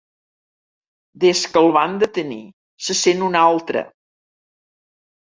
Des que el van detenir se sent un altre.